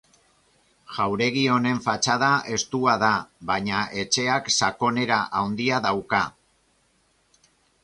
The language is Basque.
Jauregi honen fatxada estua da, baina etxeak sakonera handia dauka.